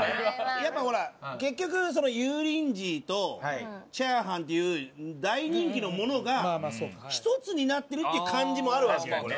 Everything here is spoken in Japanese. やっぱほら結局その油淋鶏とチャーハンっていう大人気のものが一つになってるっていう感じもあるわけよ。